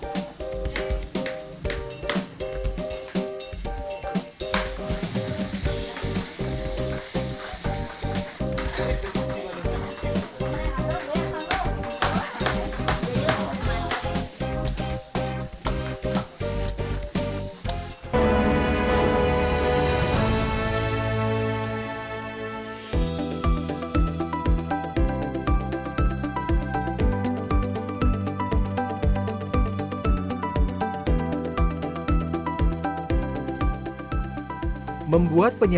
dengan sudah di dalam pikirannya